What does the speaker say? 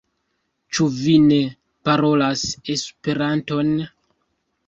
Ĉu vi ne parolas Esperanton?